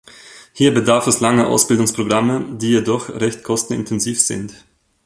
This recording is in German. Hier bedarf es langer Ausbildungsprogramme, die jedoch recht kostenintensiv sind.